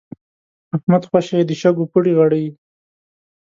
احمد خوشی د شګو پړي غړي.